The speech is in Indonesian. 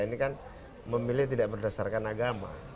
ini kan memilih tidak berdasarkan agama